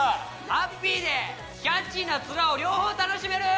ハッピーでキャッチーな面を両方楽しめる。